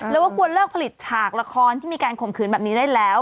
แล้วว่าควรเลิกผลิตฉากละครที่มีการข่มขืนแบบนี้ได้แล้ว